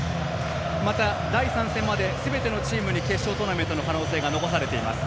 また、第３戦まですべてのチームに決勝トーナメントの可能性が残されています。